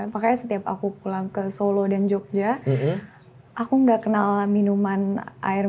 makanya setiap aku pulang ke solo dan yogyakarta aku bisa lihat jamu di jakarta